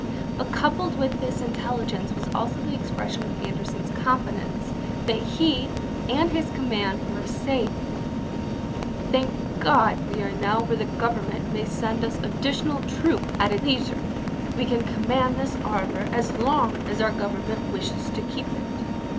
But coupled with this intelligence was also the expression of Anderson's confidence that he and his command were safe: " Thank God, we are now where the Government may send us additional troops at its leisure. .. We can command this harbor as long as our Gov ernment wishes to keep it."